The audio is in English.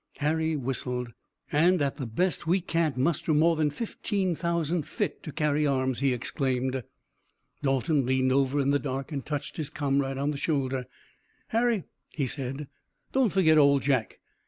Harry whistled. "And at the best we can't muster more than fifteen thousand fit to carry arms!" he exclaimed. Dalton leaned over in the dark, and touched his comrade on the shoulder. "Harry," he said, "don't forget Old Jack.